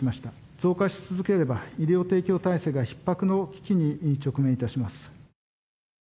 増加し続ければ、医療提供体制がひっ迫の危機に直面いたします。